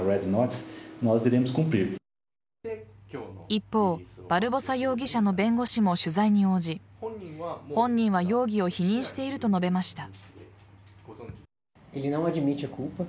一方バルボサ容疑者の弁護士も取材に応じ本人は容疑を否認していると述べました。